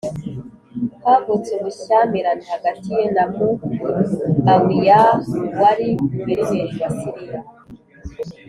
havutse ubushyamirane hagati ye na muʽāwiyah wari guverineri wa siriya